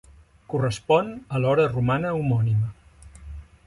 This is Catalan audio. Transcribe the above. Correspon a l'hora romana homònima.